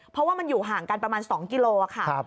เพราะว่ามันอยู่ห่างกันประมาณ๒กิโลค่ะ